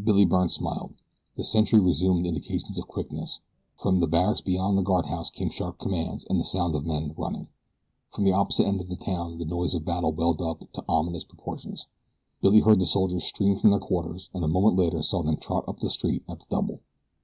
Billy Byrne smiled. The sentry resumed indications of quickness. From the barracks beyond the guardhouse came sharp commands and the sounds of men running. From the opposite end of the town the noise of battle welled up to ominous proportions. Billy heard the soldiers stream from their quarters and a moment later saw them trot up the street at the double.